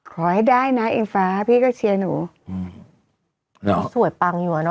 ขอให้ได้นะอิงฟ้าพี่ก็เชียร์หนูอืมน้องสวยปังอยู่อ่ะเน